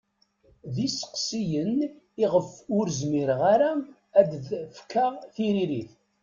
D isteqsiyen i ɣef ur zmireɣ ara ad d-fkeɣ tiririt.